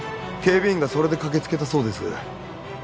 警備員がそれで駆けつけたそうです。